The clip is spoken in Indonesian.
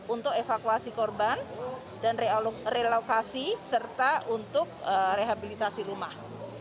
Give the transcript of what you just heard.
untuk evakuasi korban dan relokasi serta untuk rehabilitasi rumah